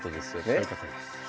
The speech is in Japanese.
そういうことです。